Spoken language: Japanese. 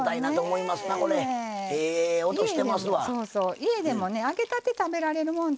家でも揚げたて食べられるものって。